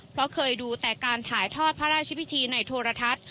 เพราะเคยดูแต่การถ่ายทอดพระราชพิธีในโทรทัศน์